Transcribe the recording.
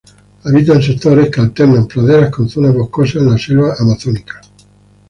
Habita en sectores que alternan praderas con zonas boscosas en la selva amazónica.